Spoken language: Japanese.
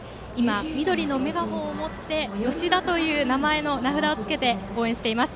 緑のメガホンを持って「吉田」という名札を付けて応援しています。